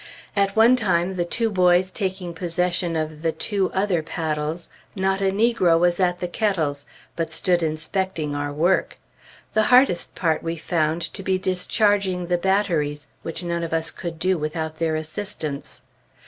At one time the two boys taking possession of the two other paddles, not a negro was at the kettles, but stood inspecting our work. The hardest part we found to be discharging the batteries, which none of us could do without their assistance.